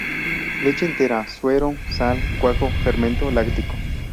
Leche entera, suero, sal, cuajo fermento láctico.